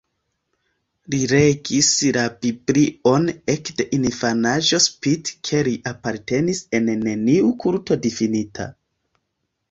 Li legis la Biblion ekde infanaĝo spite ke li apartenis al neniu kulto difinita.